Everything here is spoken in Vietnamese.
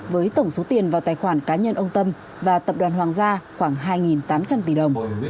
với tổng số tiền vào tài khoản cá nhân ông tâm và tập đoàn hoàng gia khoảng hai tám trăm linh tỷ đồng